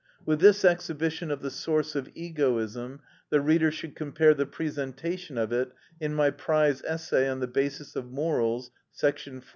With this exhibition of the source of egoism the reader should compare the presentation of it in my prize essay on the basis of morals, § 14.